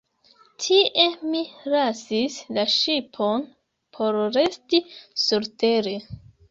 Tie mi lasis la ŝipon, por resti surtere.